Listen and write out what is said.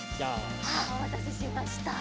おまたせしました。